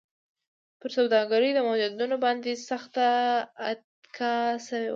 پر سوداګرۍ د محدودیتونو باندې سخته اتکا شوې وه.